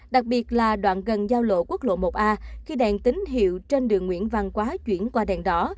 đặc biệt là đoạn gần giao lộ quốc lộ một a khi đèn tín hiệu trên đường nguyễn văn quá chuyển qua đèn đỏ